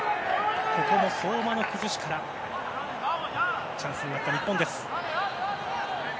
ここも相馬の崩しからチャンスになった日本です。